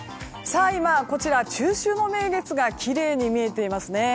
今、中秋の名月がきれいに見えていますね。